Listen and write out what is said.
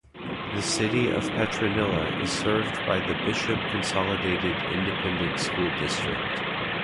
The City of Petronila is served by the Bishop Consolidated Independent School District.